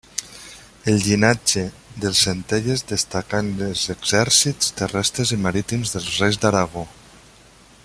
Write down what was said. El llinatge dels Centelles destacà en els exèrcits terrestres i marítims dels reis d'Aragó.